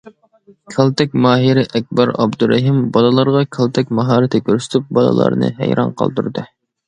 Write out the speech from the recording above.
كالتەك ماھىرى ئەكبەر ئابدۇرېھىم بالىلارغا كالتەك ماھارىتى كۆرسىتىپ بالىلارنى ھەيران قالدۇردى.